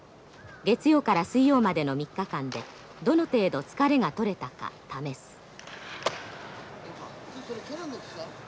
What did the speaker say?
月曜から水曜までの３日間でどの程度疲れが取れたか試す。